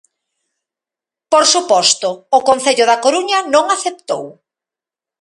Por suposto, o Concello da Coruña non aceptou.